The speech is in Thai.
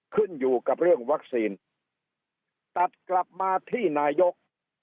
ขึ้นอยู่กับเรื่องวัคซีนตัดกลับมาที่นายก